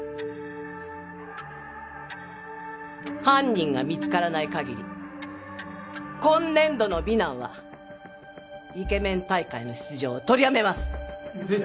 犯人が見つからない限り今年度の美南はイケメン大会の出場を取りやめます！